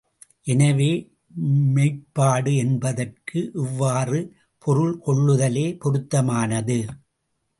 எனவே, மெய்ப்பாடு என்பதற்கு இவ்வாறு பொருள் கொள்ளுதலே பொருத்தமானது.